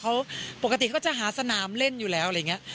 เขาปกติเขาจะหาสนามเล่นอยู่แล้วอะไรอย่างนี้